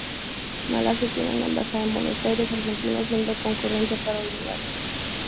Malasia tiene una embajada en Buenos Aires, Argentina, siendo concurrente para Uruguay.